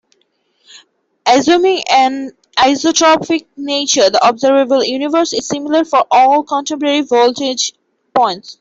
Assuming an isotropic nature, the observable universe is similar for all contemporary vantage points.